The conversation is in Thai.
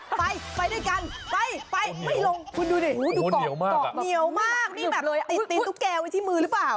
ไปไปด้วยกันไปไปไม่ลงคุณดูดิดูเกาะเหนียวมากนี่แบบติดตีนตุ๊กแกไว้ที่มือหรือเปล่า